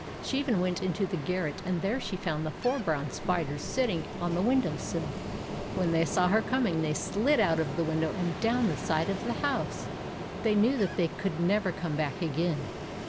She even went into the garret, and there she found the four brown spiders sit ting on the window sill. When they saw her coming, they slid out of the window and down the side of the house. They knew that they could never come back again.